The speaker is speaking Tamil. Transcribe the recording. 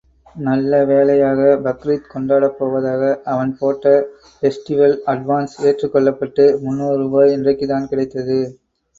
நல்ல வேளையாக பக்ரீத் கொண்டாடப் போவதாக அவன் போட்ட பெஸ்டிவல் அட்வான்ஸ் ஏற்றுக்கொள்ளப்பட்டு முன்னுறு ரூபாய் இன்றைக்குத்தான் கிடைத்தது.